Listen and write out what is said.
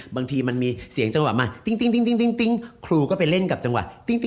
บางทีมันมีเสียงจังหวะมาติ๊งครูก็ไปเล่นกับจังหวะติ้ง